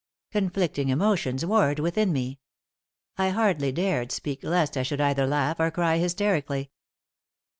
Conflicting emotions warred within me. I hardly dared speak lest I should either laugh or cry hysterically.